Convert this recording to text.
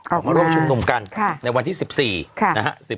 ออกมาร่วมชุมนุมกันในวันที่๑๔นะฮะ